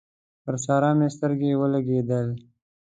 پر سارا مې سترګې ولګېدل